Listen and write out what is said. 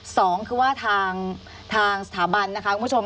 สองคือว่าทางสถาบันนะคะคุณผู้ชม